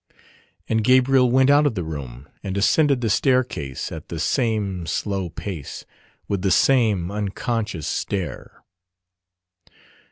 And Gabriel went out of the room and ascended the staircase at the same slow pace, with the same unconscious stare.